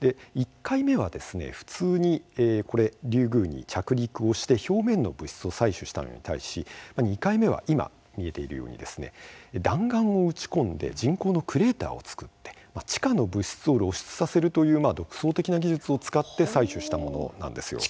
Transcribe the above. １回目は普通にリュウグウに着陸をして表面の物質を採取したのに対し２回目は今、見えているように弾丸を撃ち込んで人工のクレーターを作って地下の物質を露出させるという独創的な技術を使って採取したものなんですよ。